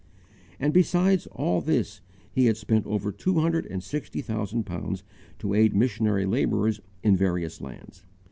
And besides all this he had spent over two hundred and sixty thousand pounds to aid missionary labourers in various lands.